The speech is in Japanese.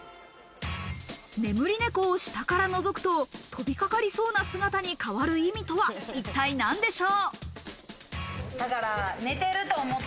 眠り猫を下から覗くと飛び掛かりそうな姿に変わる意味とは一体なんでしょう？